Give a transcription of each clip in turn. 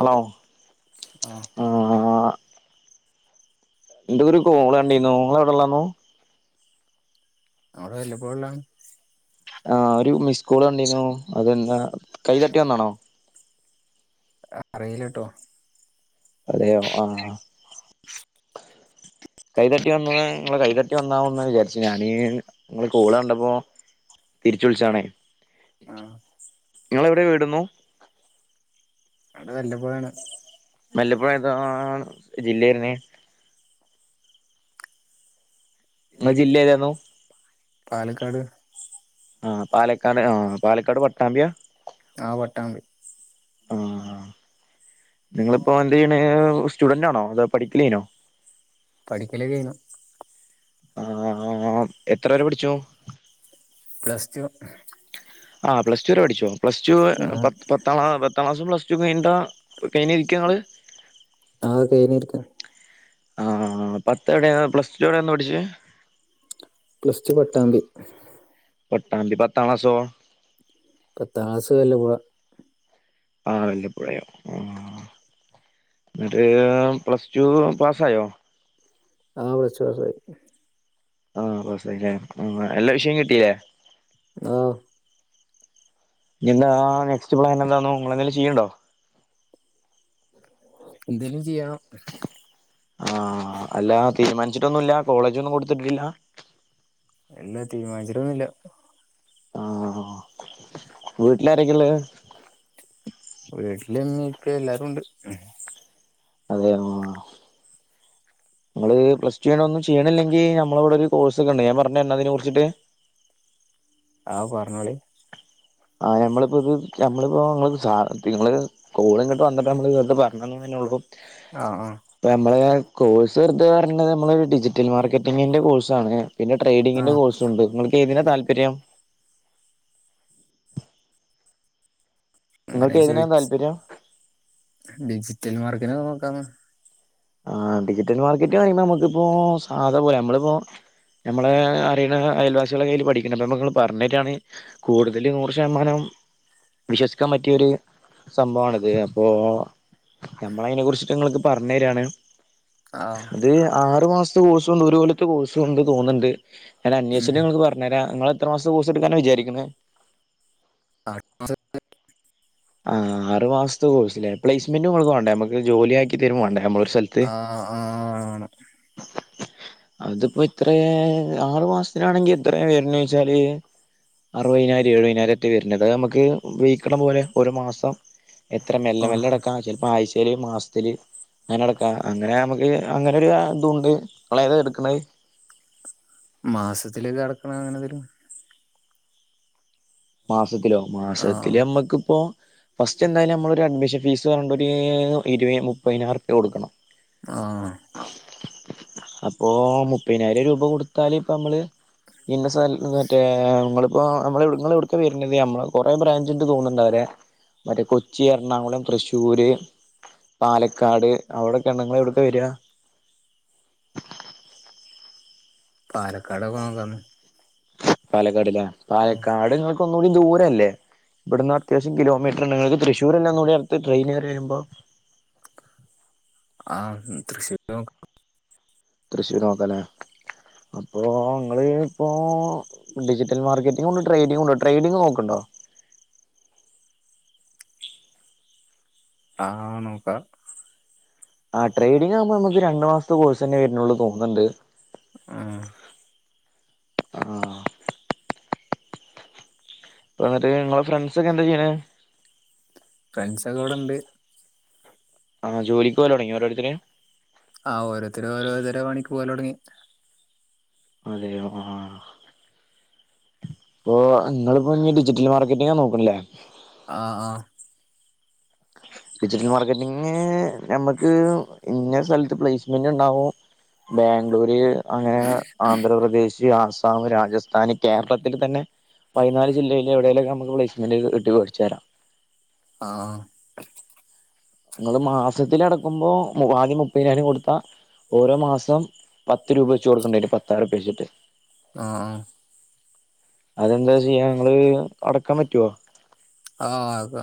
Hello ആഹ് എന്തോ ഒരു കോൾ കണ്ടീന്നു ഇങ്ങള് എവ്ടെള്ളേന്നു? ഞാൻ ഇവ്ടെ വല്ലപ്പുഴള്ളാണ് ആഹ് ഒരു മിസ്കോൾ കണ്ടീന്നു. അതെന്താ, കൈതട്ടി വന്നാണോ? അ അറീലട്ടോ അതെയോ ആഹ്. കൈതട്ടി വന്നതേ നിങ്ങളെ കൈ ത ട്ടി വന്നാവുംന്നാ വിചാരിച്ചെ ഞാന് നിങ്ങളെ കോൾ കണ്ടപ്പോ തിരിച്ചു വിൾച്ചാണേ ആഹ് നിങ്ങളെവിടെ വീടു ന്നു നാട് വല്ലപ്പുഴ ആണ് വല്ലപ്പുഴ ഏതാ ണ് ജില്ല വര്നെ? ഇങ്ങളെ ജില്ല ഏതേന്നു? പാലക്കാട് ആഹ് പാലക്കാട് ആഹ് പാലക്കാട് പട്ടാമ്പിയ ആഹ് പട്ടാമ്പി ആഹ് നിങ്ങളിപ്പോ എ ന്ത ചെയ്യണെ സ്റ്റുഡന്റ് ആണോ അതോ പഠിക്കലെനോ പഠിക്കല് കഴിഞ്ഞു ആഹ് എത്ര വരെ പഠിച്ചു പ്ലസ് ടു ആഹ് പ്ലസ് ടു വരെ പഠിച്ചോ പ്ലസ് ടു ആഹ് പത് പത്താം പത്താം ക്ലാസും പ്ലസ് ടു കഴിഞ്ഞ്ട്ടാ പ്പോ കഴിഞ്ഞ് ഇരിക്ക ഇങ്ങെൾ ആഹ് കഴിഞ്ഞിരിക്ക ആഹ് പത്ത് എവ്ടെയാ പ്ലസ് ടു എവ്ടെയാണ് പഠിച്ചെ പ്ലസ് ടു പട്ടാമ്പി പട്ടാമ്പി പത്താം ക്ലാസോ പത്താം ക്ലാസ് വല്ലപ്പുഴ ആഹ് വല്ലപ്പുഴയോ ഉം എന്നിട്ട് പ്ലസ് ടു പാസ്സായോ ആഹ് പ്ലസ് ടൂപാസ് പാസായി ആഹ് പാസായില്ലെ എല്ല വിഷയം കിട്ടില്ലെ ആഹ് ഇനി എന്താ നെസ്റ്റ് പ്ലാൻ എന്താണു നിങ്ങൾ എന്തേലും ചെയ്യണ്ടോ എന്തേലും ചെയ്യണം ആഹ് അല്ല തീരുമാനിച്ചിട്ടൊന്നും ഇല്ലാ കോളേജി ഒന്നും കൊടുത്തിട്ടില്ല ഇല്ല തീരുമാനിച്ചിട്ടോന്നില്ല ആഹ് വീട്ടിലാരോക്കെയള്ളെ വീട്ടിൽ ഉമ്മയും ഇക്കയും എല്ലാരും ഇണ്ട് അതെ ആഹ് നിങ്ങള് പ്ലസ് ടു കഴിഞ്ഞ് ഒന്നും ചെയ്യണില്ലെങ്കിൽ നമ്മളവിടെ ഒരു കോഴ്സ് ഒക്കെ ഉണ്ട് ഞാൻ പറഞ്ഞു തരണോ അതിനെ കുറിച്ചിട്ട് ആഹ് പറഞ്ഞോളി ആഹ് ഞമ്മളിപ്പോ ഇത് ഞമ്മളിപ്പോ ഇങ്ങള് സാഹത്തികങ്ങള് കോളിങ്ങട്ട് വന്നിട്ട് നമ്മള് വെറുതെ പറഞ്ഞന്നു തന്നെ ഉള്ളൂ ആഹ് ആഹ് ഇപ്പ നമ്മള കോഴ്സ് വെറുത പറഞ്ണ്ട് നമ്മള് ഡിജിറ്റൽ മാർക്കറ്റിങ്ങിന്റെ കോഴ്സ് ആണ് പിന്നെ ട്രേഡിങ്ങിന്റെ ആഹ് കോഴ്സും ഉണ്ട് ഇങ്ങൾക്കേതിനാ താല്പര്യം അങ്ങനെ നിങ്ങൾക്ക് ഏതിനാ ചോയി താല്പര്യം ഡിജിറ്റൽ മാർക്കിനൊക്കെ നോക്കാന്ന് ആഹ് ഡിജിറ്റൽ മാർക്കറ്റ് പറയുമ്പോ നമുക്കിപ്പോ സാധ പോലെ നമ്മളിപ്പോ ഞമ്മളെ അറിയണ അയൽവാസികളൊക്കയ്യില് പഠിക്കണണ്ട് അപ്പോ ഞമ്മക്ക് ഇങ്ങട്ട് പറഞ്ഞേരാണങ്കി കൂടുതൽ നൂറ് ശതമാനം വിശ്വസിക്കാൻ പറ്റിയൊരു സംഭവാണിത് അപ്പോ ഞമ്മൾ അയിനെ കുറിച്ചൊക്കെ ഇങ്ങൾക്ക് പറഞ്ഞുതരാണ് ആഹ് അത് ആറു മാസത്തെ കോഴ്സും ണ്ട് ഒരു കൊല്ലത്തെ കോഴ്സുംണ്ട് തോന്നുന്നുണ്ട് ഞാൻ ഉം അന്വേഷിച്ചിട്ട് ഇങ്ങൾക്ക് പറഞ്ഞു ഞ്ഞേരാ ഇങ്ങൾ എത്ര മാസത്തെ കോഴ്സ് എടുക്കാനാണ് വിചാരിക്ക്‌ണെ? ആർ മാസത്തെ ആഹ് ആറ് മാസത്തെ കോഴ്സ് ല്ലേ പ്ലേസ്മെന്റ് കൊടുക്കും വാണ്ടേ നമുക്ക് ജോലിയാക്കി തരും വാണ്ടേ നമ്മൊളൊരു സ്ഥല ആഹ് ആണ് [unintelligible] അതിപ്പോ ഇത്ര ആറു മാസത്തിനാണെങ്കി ഇത്രേ വരുണോയ്ച്ചാല് അറുപതിനായിരം എഴുപതിനായിരം റ്റെ വരുന്നത് അത് നമുക്ക് വെയ്ക്കിണ പോലെ ഒരു മാസം എത്ര മെല്ലെ മെല്ലെ ആഹ് അടക്കാ ചിലപ്പോ ആഴ്ചേൽ ഒരു മാസ ത്തിൽ അങ്ങനെ അടക്കാ അങ്ങനെ നമുക്ക് അങ്ങനൊരു ആഹ് ഇതൂണ്ട് ഇങ്ങളേതാ ഇടുക്കണത്? മാസത്തിലേക്ക്‌ അടക്കണ അങ്ങനെന്തേലും മാസത്തിലോ ആഹ് മാസത്തില് അമ്മക്കിപ്പോ ഫസ്റ്റ് എന്തായാലും നമ്മളൊരു അഡ്മിഷൻ ഫീസ് പറഞ്ഞിട്ട് ഒര് ഇരുപയി മുപ്പതിനായിരംറുപ്യാ കൊടുക്കണം ആഹ് അപ്പൊ മുപ്പതിനായിരം രൂപ കൊടുത്താല് ഇപ്പ അമ്മള് ഇന്ന സൽ മറ്റേ ഇങ്ങളിപ്പോ അമ്മളെ ഇങ്ങള് എവിട് ക്കാ വര്ന്നത് നമ്മള് കൊറെ ബ്രാഞ്ചിണ്ട് തോന്നുണ്ടവരെ മറ്റേ കൊച്ചി എറണാകുളം തൃശ്ശൂര് പാലക്കാട് അവിടൊക്കെണ്ട് ഇങ്ങൾ എവിട്ക്കാ വരാ പാലക്കാടൊക്കെ നോക്കാന്ന് പാലക്കാട്ല്ലേ പാലക്കാട് ഇങ്ങൾക്ക് ഒന്നുകൂടി ദൂരല്ലേ ഇവിടുന്ന് അത്യാവശ്യം കിലോമീറ്റർ ഇണ്ട് ഇങ്ങൾക്ക്‌ തൃശൂരല്ലേ ഒന്നൂടി അടുത്ത് ട്രെയിൻ കേറി വരുമ്പോ ആഹ് തൃശൂര് നോക്കാ തൃശ്ശൂര് നോക്കാല്ലേ അപ്പൊ ങ്ങള് ഇപ്പോ ഡിജിറ്റൽ മാർക്കറ്റിങ്ങുണ്ട് ട്രേഡിങ്ങൂണ്ട് ട്രേഡിങ്ങ് നോക്കുന്നുണ്ടോ ആഹ് നോക്കണം ആഹ് ട്രേഡിങ് ആകുമ്പോ നമുക്ക് രണ്ട് മാസത്തെ കോഴ്സന്നെ വരുണൊള്ളൂ തോന്ന്ണ്ട് ഉം ആ എന്നിട്ട് ഇങ്ങളെ ഫ്രണ്ട്സ് ഒക്കെന്താ ചെയ്യ്ണ് ഫ്രണ്ട്സ് ഒക്കെ ഇവിടെണ്ട് ആഹ് ജോലിക്ക് പോവല് തൊടങ്ങ്യോ ഓരോര്ത്തര് ആഹ് ഓരോരുത്തര് ഓരോരുത്തര് പണിക്ക് പോവല് തുടങ്ങി അതെയോ ഉം ഇപ്പൊ ഇങ്ങളിപ്പോ ഇഞ്ഞി ഡിജിറ്റൽ മാർക്കറ്റിങ്ങാ നോക്ക്ണ്ല്ലേ ആഹ് ആഹ് ഡിജിറ്റൽ മാർക്കറ്റിംഗിന് ഞമ്മക്ക് ഇന്ന സ്ഥലത്ത് പ്ലേസ്മെന്റ് ഇണ്ടാവും ബാംഗ്ലൂര് അങ്ങനെ ആന്ധ്രാപ്രദേശ് ആസാം രാജ്യസ് താന് കേരളത്തിൽ തന്നെ പയിനാല് ജില്ലയില് എവിടേലൊക്കെ ഞമ്മക്ക് പ്ലേസ്മെന്റ് കിട്ട്യാ വേടിച്ചേരാ. ആഹ് ഇങ്ങള് മാസത്തിലടക്കുമ്പോ മു ആദ്യം മുപ്പതിനായിരം കൊടുത്താ ഓരോ മാസം പത്ത് രൂപ വെച്ച് കൊടുക്കണ്ടരും പത്താറുപ്യ വെച്ചിട്ട് ആഹ് അതെന്താ ചെയ്യാ ഞങ്ങള് അടക്കാൻ പറ്റുവോ ആഹ് ആക്കാ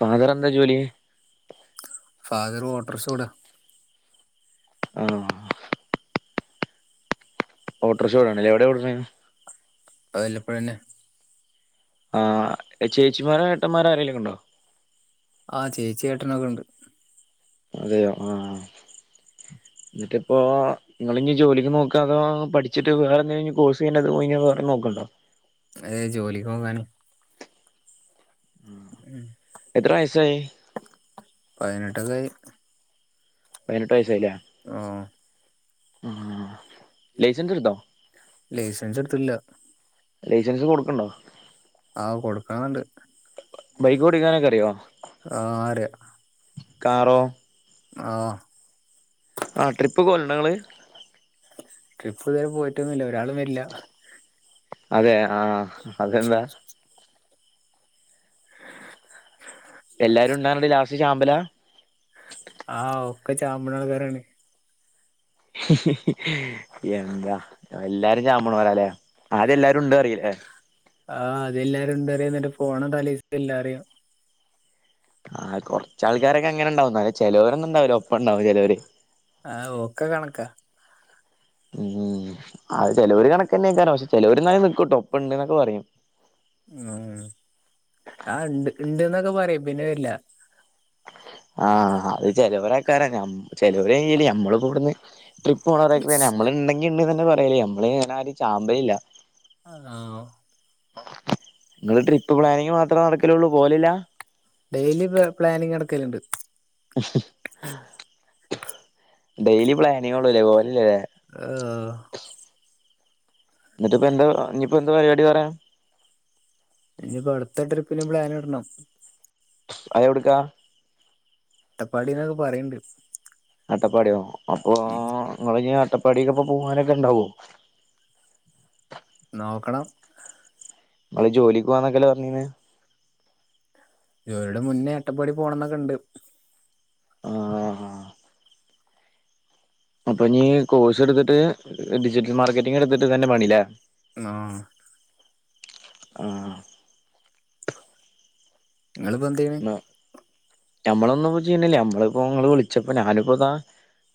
ഫാദർ എന്താ ജോലി ഫാദർ ഓട്ടർഷോട ആഹ് ഓട്ടർഷോടണ്ലേ എവിടോട്ണെ അല്ലപ്പഴ തന്നെ ആഹ് ചേച്ചിമാരോ ഏട്ടന്മാരോ ആരെങ്കലൊക്കെ ഉണ്ടോ ആഹ് ചേച്ചി ഏട്ടനൊക്കെ ഉണ്ട് അതെയോ ആഹ് എന്നിട്ടിപ്പോ നിങ്ങള ഇഞ്ഞി ജോലിക്ക് നോക് അഹ് പഠിച്ചിട്ട് വേറെന്തങ്കിലുഞ്ഞി കോഴ്സ്ങ്ങനെ [unintelligible] വേറെ നോക്ക്ണ്ടോ അത് ജോലിക്ക് പോകാന് ഉം എത്ര വയസായി പതിനെട്ടക്കായി പതിനെട്ട് വയസ്സായിലേ ആഹ് ആഹ് ലൈസൻസ് എടുത്തോ ലൈസൻസ് എടുത്തിട്ടില്ല ലൈസൻസ് കൊടുക്ക്ണ്ടോ ആഹ് കൊടുക്കണന്ന്ണ്ട് ബൈക്ക് ഓടിക്കാനൊക്കെ അറിയോ ആഹ് അർയാ കാറോ ആഹ് ആഹ് ട്രിപ്പ് പോല്ണ്ട ങ്ങള്? ട്രിപ്പ് ഇതുവരെ പോയിട്ടൊന്നുമില്ല. ഒരാളും വരില്ല. അതെ ആഹ്. അതെന്താ? [inaudible] എല്ലാരും ഉണ്ടാറുണ്ട് ലാസ്റ്റ് ചാമ്പല. ആഹ് ഒക്കെ [unintelligible] കാരാണ്. എന്താ എല്ലാരും [unintelligible] വരാലേ. ആദ്യ ല്ലാരും ഉണ്ടോ അറിയില്ലേ. ആഹ് ആദ്യലാരും ഉണ്ട അറിയ എന്റെ ഫോണ് തലേ എല്ലറിയ. ആഹ് കൊറച്ച ആൾക്കാരൊക്കെങ്ങനെ ഉണ്ടാവും. ചിലോരന്നും ഉണ്ടാവില്ല ഒപ്പം ഉണ്ടാവും ചിലവര്. ആഹ് ഒക്കെ കണക്കാ. ഉം അത് ചെലൊരു കണക്ക തന്നെക്കാരോ. പക്ഷെ ചെലൊരു നിൽക്കൂട്ടോ ഒപ്പുണ്ട് എന്നൊക്കെ പറയും. മ്. ആഹ് ഇണ്ട്ക്ക് ഇണ്ട്ന്നൊക്കെ പറയും, പിന്നെ വരില്ല. ആഹ് അത് ചെലവരക്കാരാ. ഞമ് ചെലവര കല് ഞമ്മള് ഇപ്പവിടന്ന്, ട്രിപ്പ് പോണോറക്ക തന്നെ. നമ്മള് ഇണ്ടെങ്കി ഇണ്ട്‌ തന്നെ പറയല്ലേ നമ്മള് അങ്ങനെ ആരും ചാമ്പയില്ല. ആഹ് ആ. നിങ്ങള് ട്രിപ്പ് പ്ലാനിങ് മാത്രേ നടക്കലള്ളൂ. പോവലില്ല? Daily planning നടക്കലുണ്ട്. [inaudible] ഡെയിലി പ്ലാനിങ്ങ് ഉള്ളൂല്ലേ, പോവലില്ലല്ലേ. ആഹ് എന്നിട്ട പ്പ എന്താ ഇനിപ്പോ എന്താ പരിപാടി വേറെ? ഇനിയിപ്പോ അടുത്ത ട്രിപ്പിനു പ്ലാൻ ഇടണം. അത് എവിടുക്കാ? അട്ടപ്പാടി എന്നൊക്കെ പറയണ്ട്. അട്ടപ്പാടിയോ, അപ്പൊ ഉം നിങ്ങള് ഇനി അട്ടപ്പാടിക്ക് പോവാനവരോക്കെ ഉണ്ടാവോ? നോക്കണം. [unintelligible] ജോലിക്ക് പോവാന്നൊക്കല്ലെ പറഞ്ഞിന്ന്. ജോലിടെ മുന്നേ അട്ടപ്പാടി പോണം ന്നൊക്കെ ഉണ്ട്. ആഹ് ആ. അപ്പൊ ഇഞ്ഞി കോഴ്സ് എടുത്തിട്ട്, ഡിജിറ്റൽ മാർക്കറ്റിംഗ് എടുത്തിട്ട് തന്നെ പണില്ലേ. ആഹ്. ആഹ്. നിങ്ങള് ഇപ്പ എന്ത്യേ ഞമ്മളൊന്നും ഇപ്പ ചെയണില്ല. ഞമ്മളിപ്പോങ്ങള് വിളിച്ചപ്പോ ഞാനിപ്പോ ഇതാ,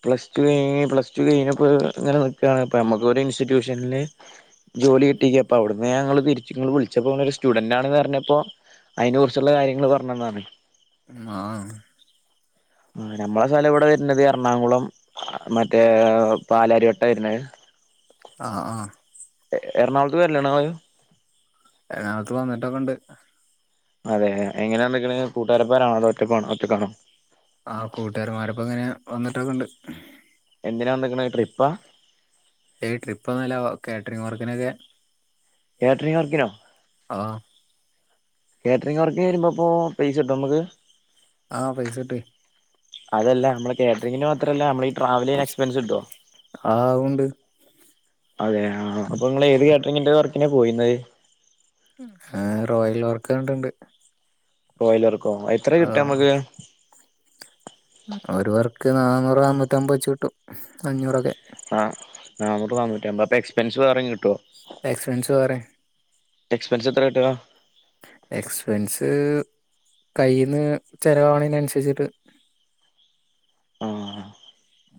പ്ലസ് ടു കഴിഞ്ഞ്, പ്ലസ്ടു കഴിഞ്ഞ് ഇപ്പ ഇങ്ങനെ നിൽക്കാണ്. അപ്പോൾ നമുക്ക് ഒരു ഇൻസ്റ്റിറ്റ്യൂഷനില്, ജോലി കിട്ടിക്ക. അപ്പൊ അവിടുന്ന് ഞങ്ങള് തിരിച്ച് ഇങ്ങള് വിളിച്ചപ്പോ ഒരു സ്റ്റുഡൻറ് ആണെന്ന് പറഞ്ഞപ്പോ, അയിന് കുറിച്ചുള്ള കാര്യങ്ങള് പറഞ്ഞന്നതാണ്. ആഹ്. ആ നമ്മളെ സ്ഥലം ഇവിടെ വരുന്നത് എറണാകുളം മറ്റേ പാലാരിവട്ട വരുന്നത്. ആഹ് ആ. എറണാകുളത്ത് വരില്ലണത്. എറണാകുളത്ത് വന്നിട്ടൊക്കെ ഉണ്ട്. അതെ എങ്ങനെയാ എന്തെക്കെണ് കൂട്ടുകാരപ്പോ ആണോ അതോ ഒറ്റക്ക് ഒറ്റകാണോ? ആ കൂട്ടുകാരമാരപ്പോ ഇങ്ങനെ വന്നിട്ടൊക്കെ ഉണ്ട്. എന്തിനാ വന്ന്ക്കണേ ട്രിപ്പാ? ഏയ് ട്രിപ്പ് ഒന്നല്ല കാറ്ററിംഗ് വർക്കിനൊക്കെ. കേറ്ററിംഗ് വർക്കിനോ? ആഹ് കാറ്ററിംഗ് വർക്കിന് വരുമ്പപ്പോൾ പൈസ കിട്ടും നമുക്ക്. ആ പൈസ കിട്ടും. അതല്ല നമ്മള് കാറ്ററിങ്ങിന് മാത്രല്ല നമ്മള് ഈ ട്രാവലിങ് എക്സ്പെൻസ് കിട്ടോ ആവുണ്ട് അതെ ആ അപ്പൊ നിങ്ങള് ഏത് കാറ്ററിങ്ങിന്റെ വർക്കിനാണ് പോയിരുന്നത് ആ റോയൽ ഓർക്കണ്ടണ്ട് റോയിലറക്കോ എത്ര കിട്ടാ നമുക്ക് ഒരുവർക്ക് നാന്നൂറ് നാന്നൂറ്റി അമ്പത് വെച്ച് കിട്ടും അഞ്ഞൂറൊക്കെ ആഹ് നാന്നൂറ് നാനൂറ്റി അമ്പത് അപ്പൊ എക്സ്പെൻസ് വേറെ കിട്ടുവോ എക്സ്പെൻസ് വറെ എക്സ്പെൻസ് എത്ര കിട്ടുക എക്സ്പെൻസ് കയ്യിന്ന് ചെലവാവാണ് അനുസരിച്ചിട്ട് ആഹ്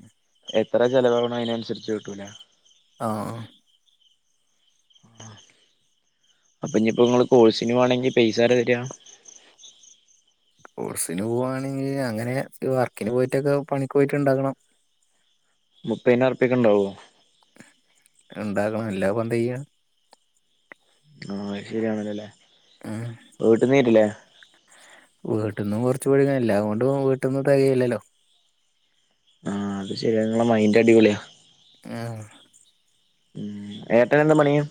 ഉഹ എത്ര ചലവാവണോ അതിനനുസരിച്ച് കിട്ടൂലെ ആഹ് ആഹ് ആ അപ്പൊ ഇനിയിപ്പോ നിങ്ങള് കോഴ്സിന് പോവാണെങ്കി പൈസ ആരാ തരിക കോഴ്സിന് പോവാണെങ്കിൽ അങ്ങനെ വർക്കിന് പോയിട്ടൊക്കെ പണിക്ക് പോയിട്ട് ഇണ്ടാക്കണം മുപ്പയ്ന് അർപ്പിക്ക് ഇണ്ടാവോ ഇണ്ടാക്കണം എല്ലാപ്പ എന്താ ചെയ്യാ ആഹ് ശരിയാണല്ലോ അല്ലേ ഉം വീട്ടിന്നരീല്ലേ വീട്ടിന്നും കുറച്ച് [unintelligible] എല്ലാം കൊണ്ടും വീട്ട്ന്ന് തികയില്ലല്ലോ ആഹ് അത് ശരിയാ നിങ്ങളെ മൈന്റ് അടിപൊളിയാ ആഹ് ഉം ഏട്ടന് എന്ത് പണിയാ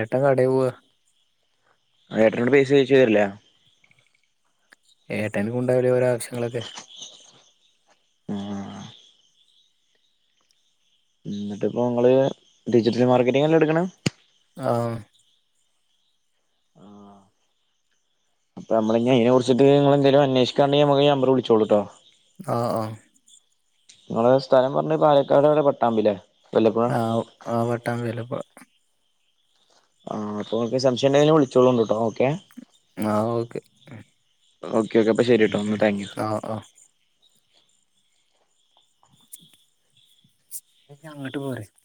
ഏട്ടൻ കടയി പോവാ ആ ഏട്ടനോട് പൈസ് ചോയ്ച്ച തരില്ലേ ഏട്ടനും ഉണ്ടാവില്ലേ ഓരോ ആവശ്യങ്ങളൊക്കെ ആഹ് എന്നിട്ട് ഇപ്പോൾ നിങ്ങള് ഡിജിറ്റൽ മാർക്കറ്റിങ്ങ് അല്ലേ എടുക്കണേ ആഹ് ആഹ് പ്പോ നമ്മളിന്നി അയ്നെ കുറിച്ചിട്ട് ഇങ്ങള് എന്തേലും അന്വേഷിക്കാണ്ടെങ്കി ഈ നമ്പറില് വിളിച്ചോളൂട്ടോ ആഹ് ആഹ് നിങ്ങളെ സ്ഥലം പറഞ്ഞ പാലക്കാടെവ്ടെ പട്ടാമ്പിലോ ആഹ് ആഹ് പട്ടാമ്പിയേല ഇപ്പോ ആ അപ്പൊ ഒക്കെ സംശയണ്ടേല് വിളിച്ചോളുട്ടോ ഓക്കെ ആഹ് ഓക്കെ ഓക്കെ ഓക്കെ അപ്പൊ ശരിട്ടോ എന്നാ താങ്ക് യു ആഹ് ആഹ് അങ്ങട്ട് പോരെ